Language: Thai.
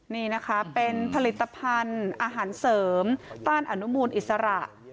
นี่นะคะเป็นผลิตภัณฑ์อาหารเสริมต้านอนุมูลอิสระ